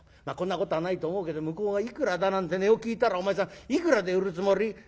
まあこんなことはないと思うけど向こうがいくらだなんて値を聞いたらお前さんいくらで売るつもり？」。